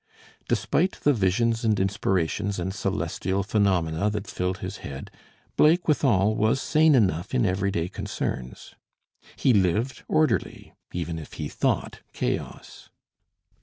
Despite the visions and inspirations and celestial phenomena that filled his head, Blake withal was sane enough in everyday concerns. He lived orderly, even if he thought chaos.